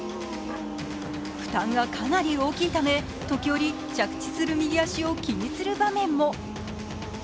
負担がかなり大きいため時折着地する右足を気にする場面も。